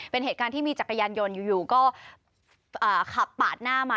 เป็นเหตุการณ์ที่มีจักรยานยนต์อยู่ก็ขับปาดหน้ามา